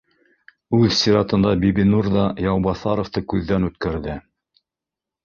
Үҙ сиратында Бибинур ҙа Яубаҫаровты күҙҙән үткәрҙе